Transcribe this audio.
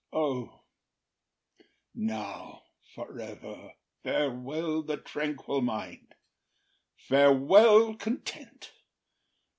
O, now, for ever Farewell the tranquil mind! Farewell content!